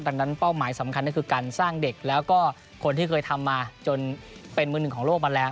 ดังนั้นเป้าหมายสำคัญก็คือการสร้างเด็กแล้วก็คนที่เคยทำมาจนเป็นมือหนึ่งของโลกมาแล้ว